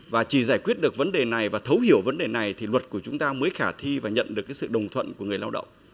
và chỉ giải quyết được vấn đề này và thấu hiểu vấn đề này thì luật của chúng ta mới khả thi và nhận được sự đồng thuận của người lao động